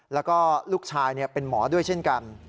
แล้วก็ลูกชายเป็นหมอด้วยเช่นกัน